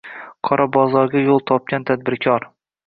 «Qora bozor»ga yo‘l topgan «tadbirkor»...